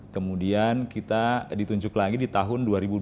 kemudian kita ditunjuk lagi di tahun dua ribu dua puluh